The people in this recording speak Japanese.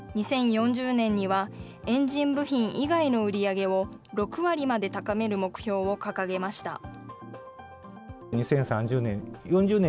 ２０４０年には、エンジン部品以外の売り上げを６割まで高める目標を掲げました。